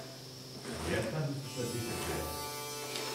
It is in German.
Mehr kann sie zurzeit nicht entbehren.